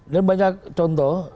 dan banyak contoh